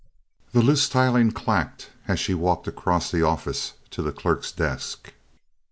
The loose tiling clacked as she walked across the office to the clerk's desk.